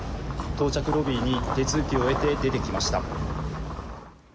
到着ロビーに手続きを終えて出てきました。